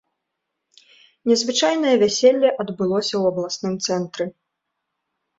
Незвычайнае вяселле адбылося у абласным цэнтры.